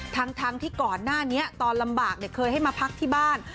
ทั้งที่ก่อนหน้านี้ตอนลำบากเคยให้มาพักที่บ้าน